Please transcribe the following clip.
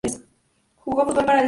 Jugó fútbol para el St.